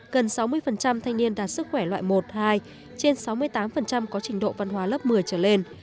gần sáu mươi thanh niên đạt sức khỏe loại một hai trên sáu mươi tám có trình độ văn hóa lớp một mươi trở lên